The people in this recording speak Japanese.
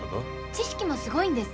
知識もすごいんです。